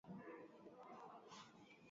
Ongeza juisi ya matunda ili kuongeza ladha